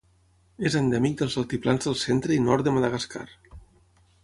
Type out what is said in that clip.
És endèmic dels altiplans del centre i nord de Madagascar.